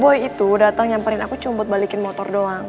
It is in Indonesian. boy itu datang nyamperin aku cuma buat balikin motor doang